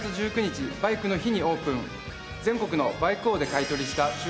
全国のバイク王で買い取りした中古バイク